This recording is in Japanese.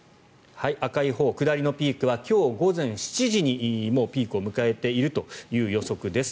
赤いほう、下りのピークは今日午前７時にもうピークを迎えているという予測です。